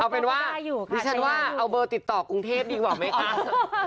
เอาเป็นว่าดิฉันว่าเอาเบอร์ติดต่อกรุงเทพดีกว่าไหมคะ